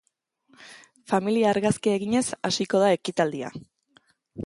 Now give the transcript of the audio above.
Familia argazkia eginez hasiko da ekitaldia.